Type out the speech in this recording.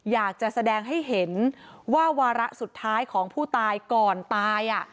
อยากจะแสดงให้เห็นว่าวาระสุดท้ายของผู้ตายก่อนตาย